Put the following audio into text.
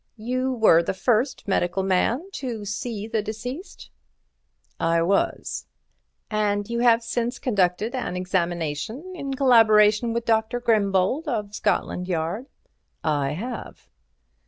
"You were the first medical man to see the deceased?" "I was." "And you have since conducted an examination in collaboration with Dr. Grimbold of Scotland Yard?" "I have."